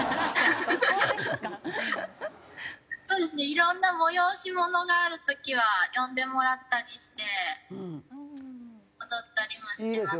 いろんな催し物がある時は呼んでもらったりして踊ったりもしてます。